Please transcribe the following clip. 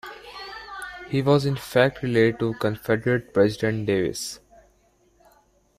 He was in fact related to Confederate President Davis.